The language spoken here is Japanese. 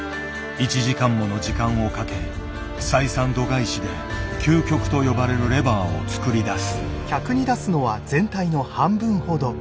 １時間もの時間をかけ採算度外視で究極と呼ばれるレバーを作り出す。